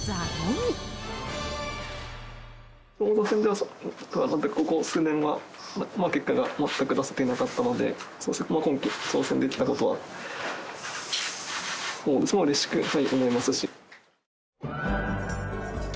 王座戦では、ここ数年は結果が全く出せていなかったので、今季挑戦できたことはうれしく思いますし。